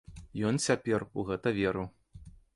Ён цяпер у гэта верыў.